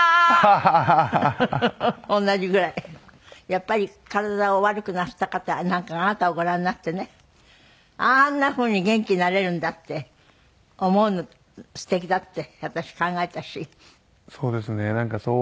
やっぱり体を悪くなすった方やなんかがあなたをご覧になってねあんなふうに元気になれるんだって思うのすてきだって。